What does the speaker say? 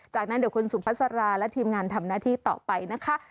จากนั้นเดี๋ยวคุณสุภาษาราและทีมงานทำหน้าที่ต่อไปนะคะ